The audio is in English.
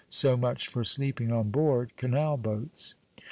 So much for sleeping on board canal boats.